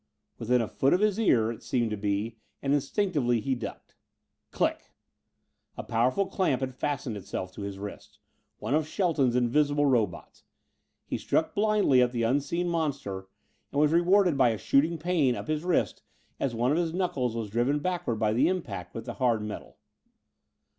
Within a foot of his ear, it seemed to be, and instinctively he ducked. Click! A powerful clamp had fastened itself to his wrist. One of Shelton's invisible robots! He struck blindly at the unseen monster and was rewarded by a shooting pain up his wrist as one of his knuckles was driven backward by the impact with the hard metal.